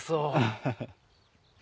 ハハハ。